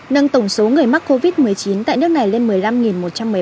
nâng tổng số người mắc covid một mươi chín tại nước này lên một mươi năm một trăm một mươi ca